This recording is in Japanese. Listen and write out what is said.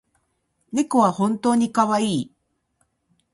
猫は本当にかわいい